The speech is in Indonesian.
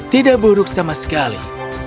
tidak buruk sama sekali